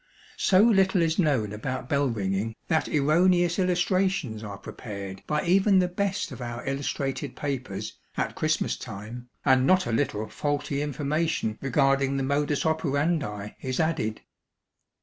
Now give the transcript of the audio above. So little is known about bell ringing, that erroneous illustrations are prepared by even the best of our illustrated papers, at Christmas time, and not a little faulty information regarding the modus operandi is added.